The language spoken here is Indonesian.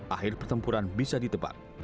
akhir pertempuran bisa ditebak